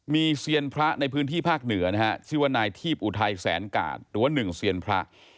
มีเซียนพระในพื้นที่ภาคเหนือนะฮะชื่อว่านายทีพอุทัยแสนกาดหรือว่าหนึ่งเซียนพระ